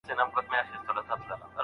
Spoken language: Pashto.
لارښود د څېړني په بهیر کي ښه رول ولوباوه.